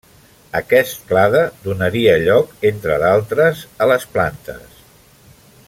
Aquest clade donaria lloc entre d'altres a les plantes.